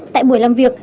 tại buổi làm việc